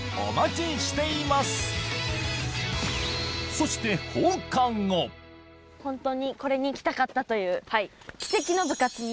そしてホントにこれに来たかったという。